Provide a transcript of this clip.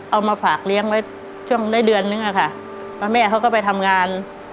เอามาฝากเลี้ยงไว้ช่วงได้เดือนนึงอะค่ะแล้วแม่เขาก็ไปทำงาน